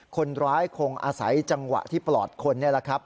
คนร้ายคงอาศัยจังหวะที่ปลอดคนนี่แหละครับ